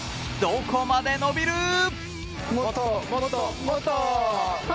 どこまで伸びる？